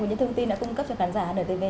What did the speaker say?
và những thông tin đã cung cấp cho khán giả